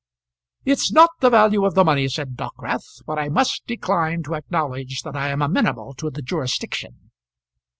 "It's not the value of the money," said Dockwrath, "but I must decline to acknowledge that I am amenable to the jurisdiction."